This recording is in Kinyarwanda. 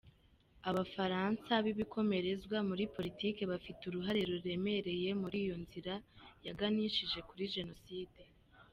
Abafaransa b’ibikomerezwa muri politike bafite uruhare ruremereye muri iyo nzira yaganishije kuri jenoside.